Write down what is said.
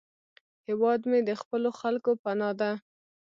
هیواد مې د خپلو خلکو پناه ده